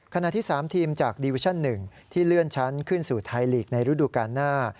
ขณะที่๓ทีมจากดิวิชั่น๑ที่เลื่อนชั้นขึ้นสู่ไทยลีกในฤดูกาลหน้า